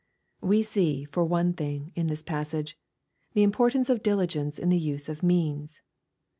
We see, for one thing, in this passage, the importance of diligence in the use of means.